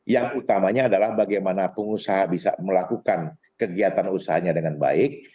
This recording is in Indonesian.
yang utamanya adalah bagaimana pengusaha bisa melakukan kegiatan usahanya dengan baik